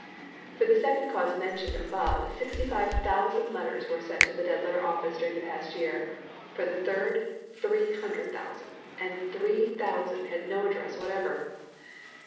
For the second cause mentioned above about sixty five thousand letters were sent to the Dead letter Office during the past year; for the third, three hundred thousand, and three thousand had no address whatever.